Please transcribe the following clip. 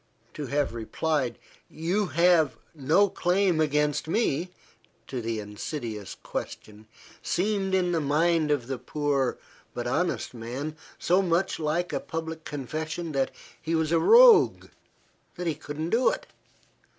To have replied "You have no claim against me," to the insidious question, seemed in the mind of the poor, but honest man, so much like a public confession that he was a rogue, that he could not do it.